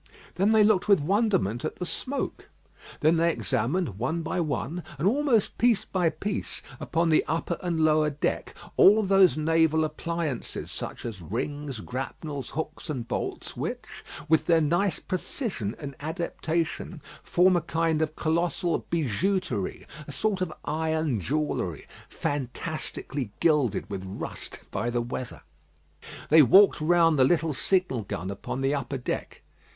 Then they looked with wonderment at the smoke. Then they examined one by one, and almost piece by piece upon the upper and lower deck, all those naval appliances such as rings, grapnels, hooks and bolts, which, with their nice precision and adaptation, form a kind of colossal bijouterie a sort of iron jewellery, fantastically gilded with rust by the weather. They walked round the little signal gun upon the upper deck.